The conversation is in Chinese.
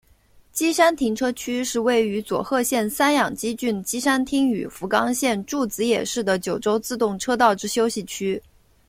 基山停车区是位于佐贺县三养基郡基山町与福冈县筑紫野市的九州自动车道之休息区。